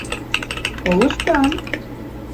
— Колыштам...